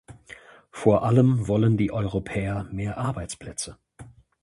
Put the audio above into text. Vor allem wollen die Europäer mehr Arbeitsplätze.